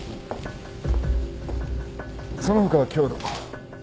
その他は強度。